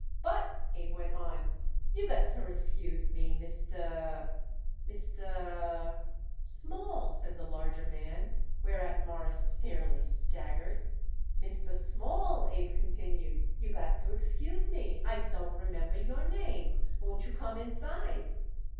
"But," Abe went on, "you got to excuse me, Mister Mister " "Small," said the larger man, whereat Morris fairly staggered. "Mister Small," Abe continued. "You got to excuse me. I don't remember your name. Won't you come inside?"